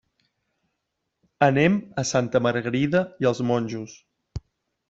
Anem a Santa Margarida i els Monjos.